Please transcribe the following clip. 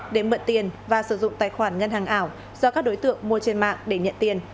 để mượn tiền và sử dụng tài khoản ngân hàng ảo do các đối tượng mua trên mạng để nhận tiền